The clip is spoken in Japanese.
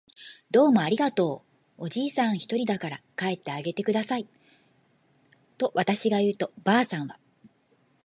「どうもありがとう。」おじいさんがひとりだから帰ってあげてください。」とわたしが言うと、ばあさんは